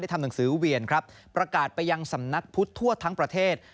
ทำหนังสือเวียนครับประกาศไปยังสำนักพุทธทั่วทั้งประเทศ